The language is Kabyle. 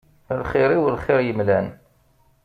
A lxir-iw lxir yemlan.